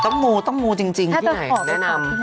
ต้องมูต้องมูจริงที่ไหนแนะนำ